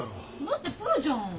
だってプロじゃん。